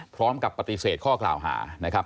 พร้อมกับปฏิเสธข้อกล่าวหานะครับ